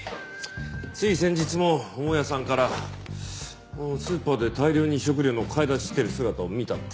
つい先日も大家さんからスーパーで大量に食料の買い出ししてる姿を見たって。